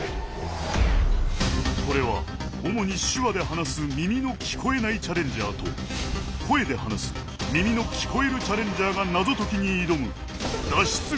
これは主に手話で話す耳の聞こえないチャレンジャーと声で話す耳の聞こえるチャレンジャーが謎解きに挑む脱出